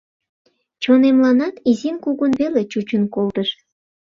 Чонемланат изин-кугун веле чучын колтыш.